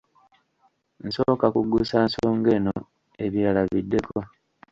Nsooka kuggusa nsonga eno ebirala biddeko.